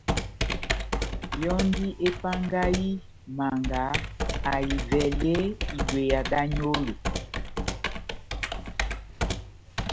Yɔndi epangahi Manga ahivɛle ibweya da nyolo